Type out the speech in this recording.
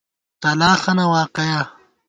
تلاخَنہ واقَیا